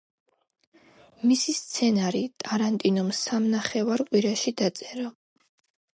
მისი სცენარი ტარანტინომ სამნახევარ კვირაში დაწერა.